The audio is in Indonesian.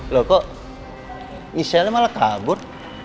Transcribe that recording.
loh kok iselnya malah kabur